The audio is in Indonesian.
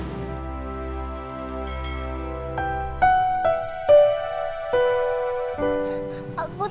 ibu memang akan beruntung